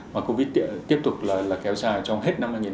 mà covid tiếp tục là kéo dài trong hết năm hai nghìn hai mươi